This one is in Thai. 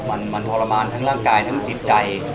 มันทรมานทั้งร่างกายทั้งจิตใจ